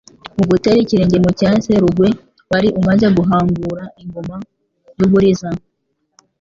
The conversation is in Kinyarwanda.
mu gutera ikirenge mu cya se Rugwe wari umaze guhangura ingoma y'u Buliza